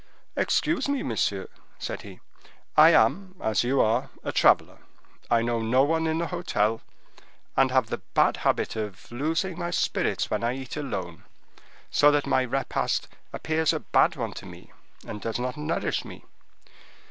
"Excuse me, monsieur," said he, "I am as you are, a traveler; I know no one in the hotel, and I have the bad habit of losing my spirits when I eat alone; so that my repast appears a bad one to me, and does not nourish me.